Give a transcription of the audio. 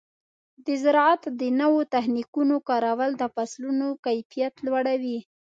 د زراعت د نوو تخنیکونو کارول د فصلونو کیفیت لوړوي.